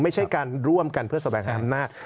ไม่ใช่การร่วมกันเพื่อแสวงหาอำนาจ